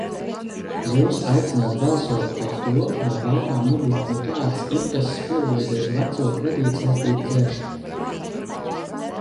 Jūs aicināt balsot par to, lai bankām nebūtu nekādas intereses piedalīties veco kredītsaistību dzēšanā.